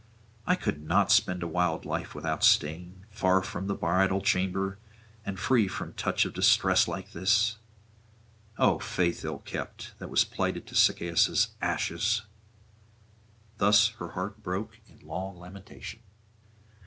I could not spend a wild life without stain, far from a bridal chamber, and free from touch of distress like this! O faith ill kept, that was plighted to Sychaeus' ashes!' Thus her heart broke in long lamentation.